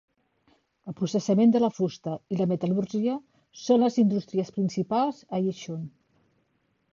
El processament de la fusta i la metal·lúrgia són les indústries principals a Yichun.